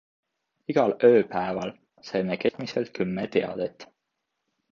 Igal ööpäeval saime keskmiselt kümme teadet.